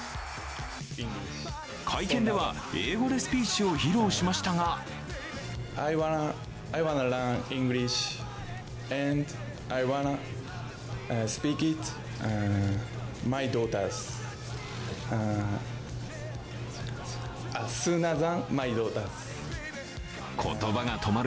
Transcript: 会見では、英語でスピーチを披露しましたが言葉が止まる